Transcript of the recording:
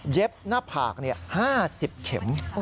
หน้าผาก๕๐เข็ม